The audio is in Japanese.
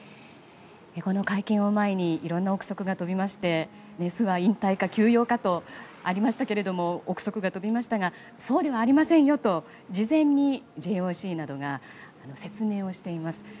この会見を前にいろんな憶測が飛びまして引退か休養かと飛びましたけど憶測が飛びましたがそうではありませんよと事前にＪＯＣなどが説明をしています。